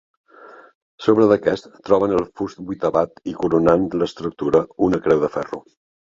Sobre d'aquest troben el fust vuitavat i coronant l'estructura una creu de ferro.